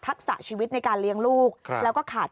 ชีวิตในการเลี้ยงลูกแล้วก็ขาด